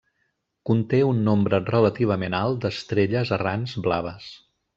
Conté un nombre relativament alt d'estrelles errants blaves.